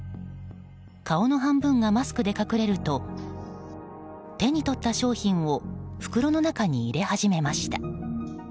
顔の半分がマスクで隠れると手に取った商品を袋の中に入れ始めました。